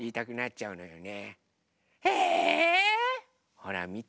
ほらみて。